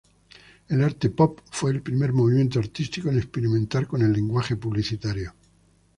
El arte pop fue el primer movimiento artístico en experimentar con el lenguaje publicitario.